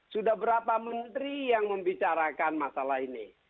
sudah berapa menteri yang membicarakan masalah ini